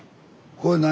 これ何？